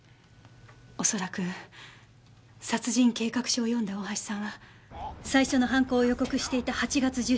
恐らく殺人計画書を読んだ大橋さんは最初の犯行を予告していた８月１７日